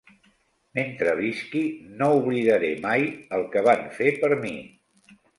Mentre visqui, no oblidaré mai el que van fer per mi.